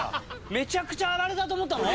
めちゃくちゃ「あられ」だと思ったの？